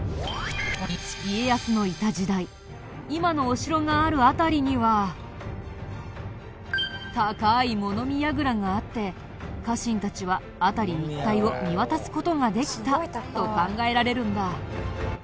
家康のいた時代今のお城がある辺りには高い物見やぐらがあって家臣たちは辺り一帯を見渡す事ができたと考えられるんだ。